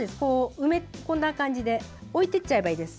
埋め込んだ形で置いていっちゃえばいいです。